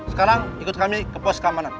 sekarang ikut kami ke pos keamanan